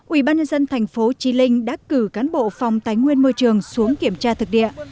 ủy ban nhân dân thành phố trì linh đã cử cán bộ phòng tái nguyên môi trường xuống kiểm tra thực địa